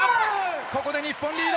ここで日本リード。